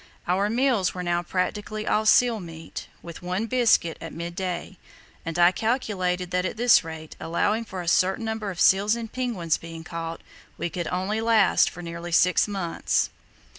Our meals were now practically all seal meat, with one biscuit at midday; and I calculated that at this rate, allowing for a certain number of seals and penguins being caught, we could last for nearly six months.